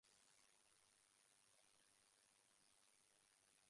The foundation also operates the Garden Theatre.